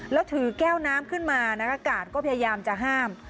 แล้วถือแก้วน้ำขึ้นมานะคะกาดก็พยายามจะห้าม